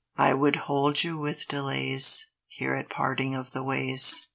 I would hold you with delays Here at parting of the ways.